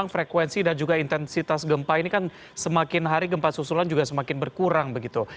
frekuensi dan juga intensitas gempa ini kan semakin hari gempa susulan juga semakin berkurang begitu